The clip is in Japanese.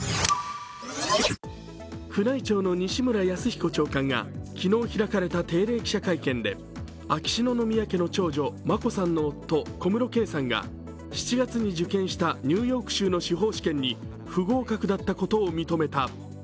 宮内庁の西村泰彦長官が昨日開かれた定例記者会見で秋篠宮家の長女、眞子さんの夫、小室圭さんが７月に受験したニューヨーク州の司法試験に不合格だったことを認めた。